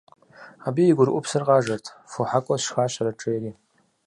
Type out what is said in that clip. Абыи и гурыӏупсыр къажэрт: «Фо хьэкӏуэ сшхащэрэт!» - жери.